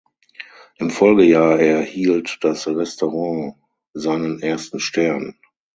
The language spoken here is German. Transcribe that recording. Im Folgejahr erhielt das Restaurant seinen ersten Stern.